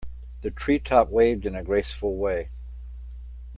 The tree top waved in a graceful way.